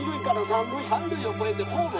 「三塁を越えてホーム」。